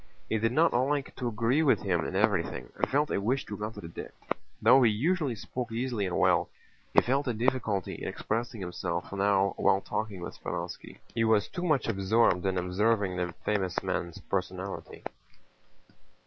He did not like to agree with him in everything and felt a wish to contradict. Though he usually spoke easily and well, he felt a difficulty in expressing himself now while talking with Speránski. He was too much absorbed in observing the famous man's personality.